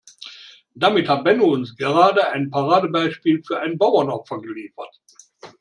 Damit hat Benno uns gerade ein Paradebeispiel für ein Bauernopfer geliefert.